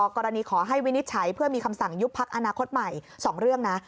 ขอให้วินิจฉัยเพื่อมีคำสั่งยุบพักอนาคตใหม่๒เรื่องนะ